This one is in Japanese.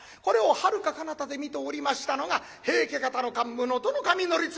これをはるかかなたで見ておりましたのが平家方の桓武能登守教経。